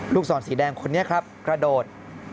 ศรสีแดงคนนี้ครับกระโดด